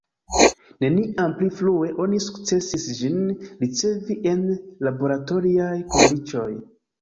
Neniam pli frue oni sukcesis ĝin ricevi en laboratoriaj kondiĉoj.